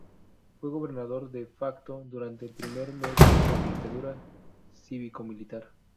Fue gobernador "de facto" durante el primer mes de la dictadura cívico-militar.